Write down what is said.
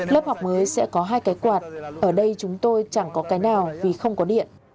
lớp học mới sẽ có hai cái quạt ở đây chúng tôi chẳng có cái nào vì không có điện